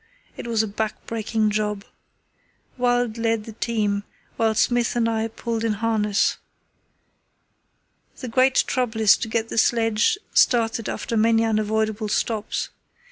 It was a back breaking job. Wild led the team, while Smith and I pulled in harness. The great trouble is to get the sledge started after the many unavoidable stops.